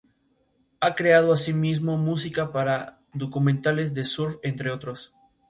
Esta versión fue presentada por los periodistas Raul Durão y Manuela Sousa Rama.